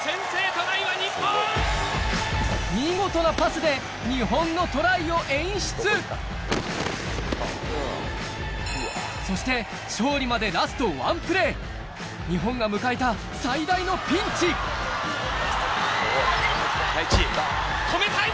見事なパスで日本のそして勝利までラスト１プレー日本が迎えた最大のピンチ止めたい！